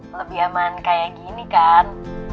lebih aman kayak gini kan